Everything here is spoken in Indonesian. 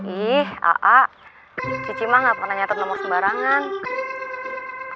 ih aa cici mah gak pernah nyatet nomor sembarangan